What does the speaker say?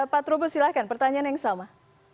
pak trubus silahkan pertanyaan yang sama